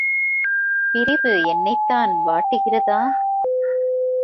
பிரிவு என்னைத்தான் வாட்டுகிறதா?